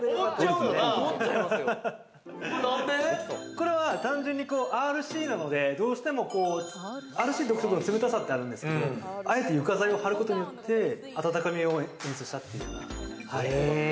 これは単純にＲＣなので、どうしても独特の冷たさがあるんですけど、あえて床材を貼ることによって、温かみを演出したというか。